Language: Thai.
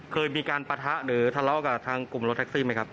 เคยมีการปะทะหรือทะเลาะกับทางกลุ่มรถแท็กซี่ไหมครับ